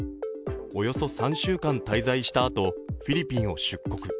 およそ３週間滞在したあと、フィリピンを出国。